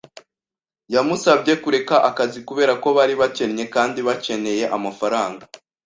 Yamusabye kureka akazi kubera ko bari bakennye kandi bakeneye amafaranga.